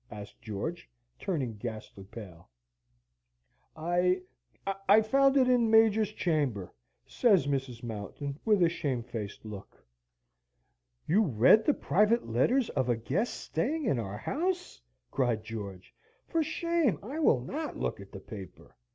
asked George, turning ghastly pale. "I I found it in the Major's chamber!" says Mrs. Mountain, with a shamefaced look. "You read the private letters of a guest staying in our house?" cried George. "For shame! I will not look at the paper!"